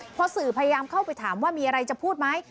พอสื่อพยายามเข้าไปถามว่ามีอะไรจะพูดไหม